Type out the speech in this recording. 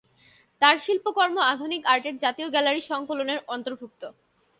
তাঁর শিল্পকর্ম আধুনিক আর্টের জাতীয় গ্যালারী সংকলনের অন্তর্ভুক্ত।